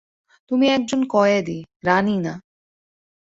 তুমি একজন কয়েদী, রানী না।